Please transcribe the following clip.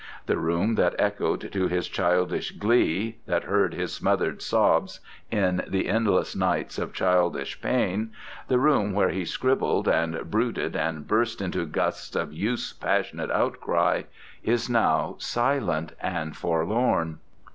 The room that echoed to his childish glee, that heard his smothered sobs in the endless nights of childish pain, the room where he scribbled and brooded and burst into gusts of youth's passionate outcry, is now silent and forlorn.